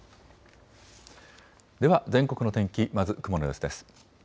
では全国の天気、まず雲の様子です。